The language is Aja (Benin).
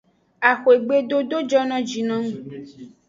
Axwegbe dodo jono ji nung.